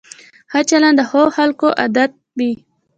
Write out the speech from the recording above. ښه چلند د ښو خلکو عادت وي.